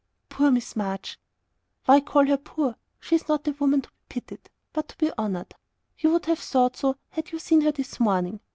"Poor Miss March!" "Why call her poor? She is not a woman to be pitied, but to be honoured. You would have thought so, had you seen her this morning.